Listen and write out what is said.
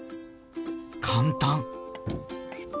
簡単！